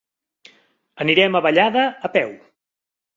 Anirem a Vallada a peu.